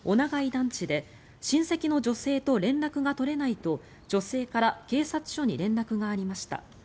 団地で親戚の女性と連絡が取れないと女性から警察署に連絡がありました。